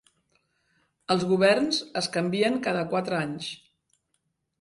Els governs es canvien cada quatre anys.